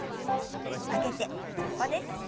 曲げて横です。